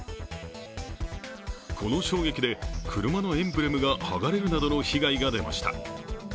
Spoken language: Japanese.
この衝撃で車のエンブレムが剥がれるなどの被害が出ました。